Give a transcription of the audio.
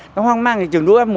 nó hoang mang thì trường đua f một